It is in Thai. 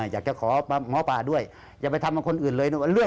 อยากจะขอหมอปลาด้วยอย่าไปทำกับคนอื่นเลย